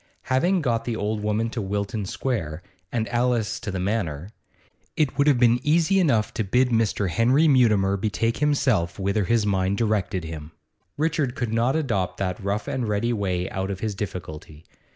Having got the old woman to Wilton Square, and Alice to the Manor, it would have been easy enough to bid Mr. Henry Mutimer betake himself whither his mind directed him. Richard could not adopt that rough and ready way out of his difficulty.